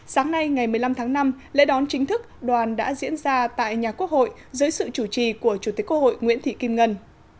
sáng nay ngày một mươi năm tháng năm lễ đón chính thức đoàn đã diễn ra tại nhà quốc hội dưới sự chủ trì của chủ tịch quốc hội nguyễn thị kim ngân